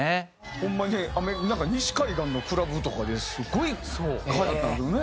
ホンマに西海岸のクラブとかですごいはやったんですよね。